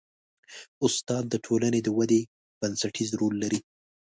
استاد د ټولنې د ودې بنسټیز رول لري.